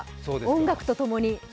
音楽とともに。